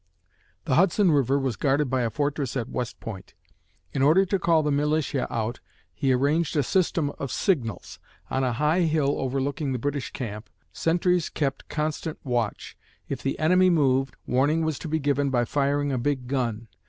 The Hudson River was guarded by a fortress at West Point. In order to call the militia out, he arranged a system of signals. On a high hill overlooking the British camp, sentries kept constant watch. If the enemy moved, warning was to be given by firing a big gun.